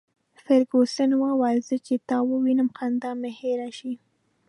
فرګوسن وویل: زه چي تا ووینم، خندا مي هېره شي.